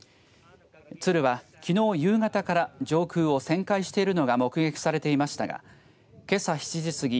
鶴は、きのう夕方から上空を旋回しているのが目撃されていましたがけさ７時過ぎ